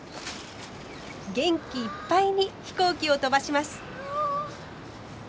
元気いっぱいに飛行機を飛ばします。